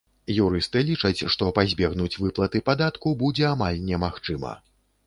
Юрысты лічаць, што пазбегнуць выплаты падатку будзе амаль немагчыма.